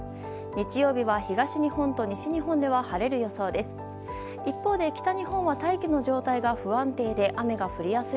日曜日は、東日本と西日本では晴れる予想です。